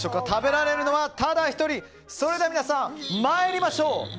食べられるのはただ１人それでは皆さん、参りましょう。